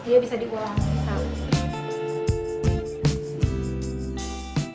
dia bisa dikurangkan